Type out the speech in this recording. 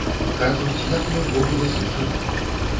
Кажуць, як я ўвогуле з ім жыла?